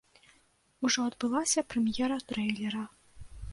Ужо адбылася прэм'ера трэйлера.